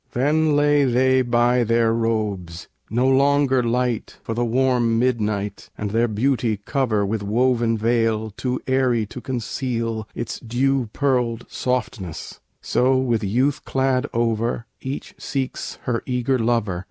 Then lay they by their robes no longer light For the warm midnight and their beauty cover With woven veil too airy to conceal Its dew pearled softness; so, with youth clad over, Each seeks her eager lover.